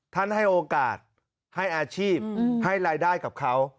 ให้โอกาสให้อาชีพให้รายได้กับเขา